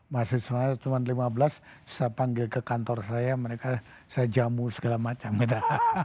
mahasiswa cuma lima belas saya panggil ke kantor saya mereka saya jamu segala macam gitu